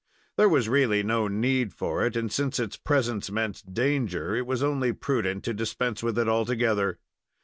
There was really no need fot it, and, since its presence meant danger, it was only prudent to dispense with it altogether.